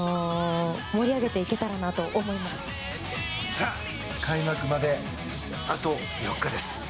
さあ、開幕まであと４日です。